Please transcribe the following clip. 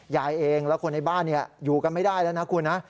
ยายเองและคนในบ้านอยู่กันไม่ได้แล้วนะคุณนะ